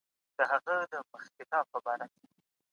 سپوږیزه